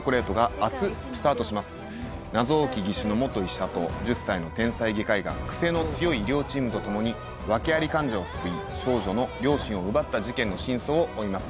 謎多き義手の医者と１０歳の天才外科医が癖の強い医療チームと共に訳あり患者を救い少女の両親を奪った事件の真相を追います。